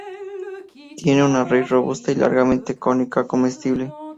Tiene una raíz robusta y largamente cónica comestible.